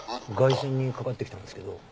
外線にかかって来たんですけど。